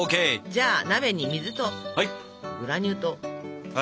じゃあ鍋に水とグラニュー糖。